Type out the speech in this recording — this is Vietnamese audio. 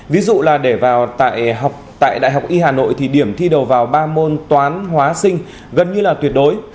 ví dụ là để vào tại đại học y hà nội thì điểm thi đầu vào ba môn toán hóa sinh gần như là tuyệt đối